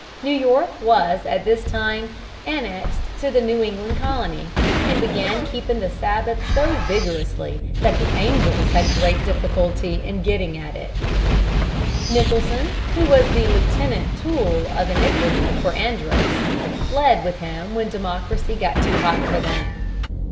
New York was at this time annexed to the New England Colony, and began keeping the Sabbath so vigorously that the angels had great difficulty in getting at it. [Illustration: DUKE OF YORK.] Nicholson, who was the lieutenant tool of iniquity for Andros, fled with him when democracy got too hot for them.